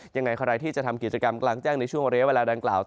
ยังไงใครที่จะทำกิจกรรมกลางแจ้งในช่วงเรียกเวลาดังกล่าว